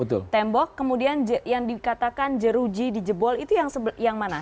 tembok kemudian yang dikatakan jeruji dijebol itu yang mana